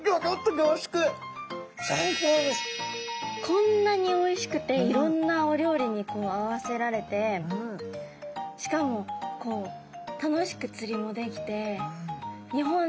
こんなにおいしくていろんなお料理に合わせられてしかもこう楽しく釣りもできてだってすごいもん。